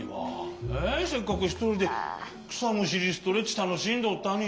せっかくひとりでくさむしりストレッチたのしんどったに。